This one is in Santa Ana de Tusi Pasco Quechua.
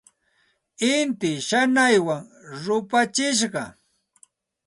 Inti shanaywan rupachishqa.